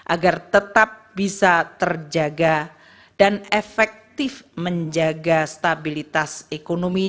agar tetap bisa terjaga dan efektif menjaga stabilitas ekonomi